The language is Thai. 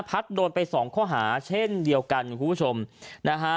โดนไปสองข้อหาเช่นเดียวกันคุณผู้ชมนะฮะ